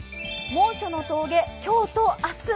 猛暑の峠、今日と明日。